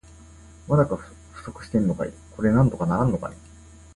まだ不足してんのかい。これなんとかならんのかね。